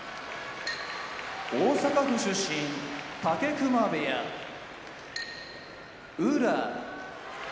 大阪府出身武隈部屋宇良